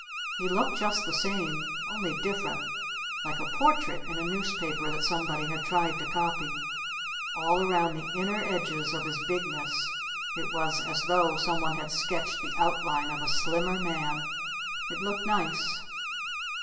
He looked just the same only different like a portrait in a newspaper that somebody had tried to copy. All around the inner edges of his bigness it was as though someone had sketched the outline of a slimmer man. It looked nice.